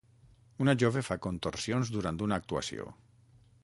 Una jove fa contorsions durant una actuació.